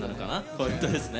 コメントですね。